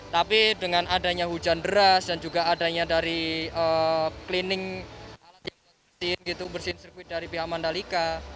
tapi dengan adanya hujan deras dan juga adanya dari cleaning alat mesin gitu bersihin sirkuit dari pihak mandalika